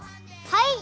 はい！